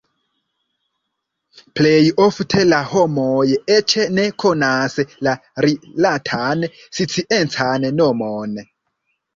Plej ofte la homoj eĉ ne konas la rilatan sciencan nomon.